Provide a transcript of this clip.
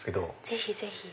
ぜひぜひ。